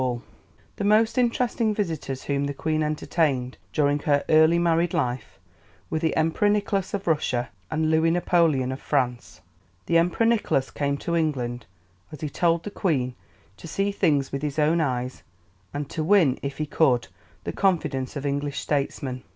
[Illustration: BUCKINGHAM PALACE] The most interesting visitors whom the Queen entertained during her early married life were the Emperor Nicholas of Russia and Louis Napoleon of France. The Emperor Nicholas came to England, as he told the Queen, to see things with his own eyes, and to win, if he could, the confidence of English statesmen.